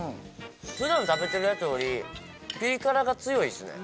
普段食べてるやつよりピリ辛が強いっすね。